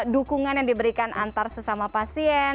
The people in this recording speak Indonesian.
dukungan yang diberikan antar sesama pasien